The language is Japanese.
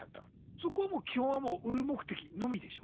そこはもう基本はもう売る目的のみでしょ？